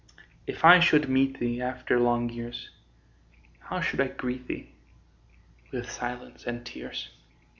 If I should meet thee After long years, How should I greet thee? With silence and tears.